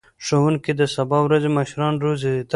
ښوونکي د سبا ورځې مشران روزي.